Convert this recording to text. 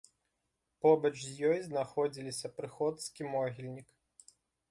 Побач з ёй знаходзіліся прыходскі могільнік.